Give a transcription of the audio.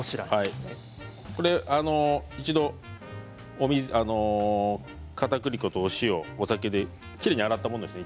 一度、かたくり粉とお塩お酒できれいに洗ったものです。